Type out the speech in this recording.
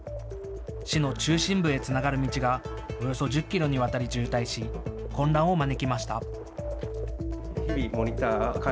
市の中心部へつながる道がおよそ１０キロにわたり渋滞し混乱を招きました。